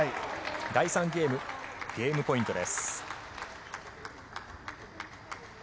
第３ゲームゲームポイントです。